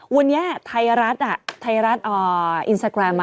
วันนี้ไทยรัฐอ่ะไทยรัฐอ่ออินสตาแกรมอ่ะครับ